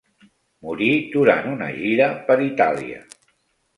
Morí durant una gira per Itàlia.